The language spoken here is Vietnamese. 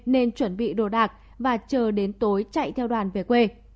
nên chuẩn bị đồ đạc và chờ đến tối chạy theo đoàn về quê